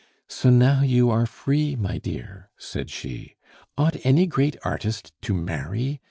"So now you are free, my dear," said she. "Ought any great artist to marry?